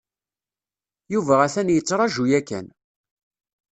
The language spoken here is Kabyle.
Yuba atan yettraju yakan.